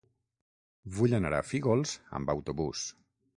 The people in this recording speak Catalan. Vull anar a Fígols amb autobús.